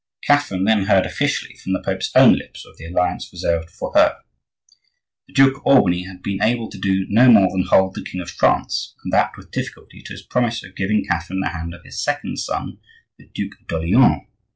Catherine then heard officially from the Pope's own lips of the alliance reserved for her. The Duke of Albany had been able to do no more than hold the king of France, and that with difficulty, to his promise of giving Catherine the hand of his second son, the Duc d'Orleans.